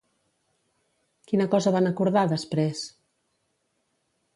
Quina cosa van acordar després?